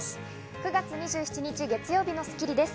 ９月２７日、月曜日の『スッキリ』です。